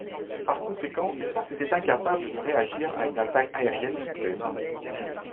Par conséquent, les forces étaient incapables de réagir à une attaque aérienne soudaine.